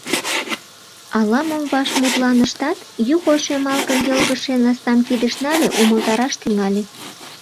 Ала-мом ваш мутланыштат, Юхо шемалгын йылгыжше настам кидыш нале, умылтараш тӱҥале.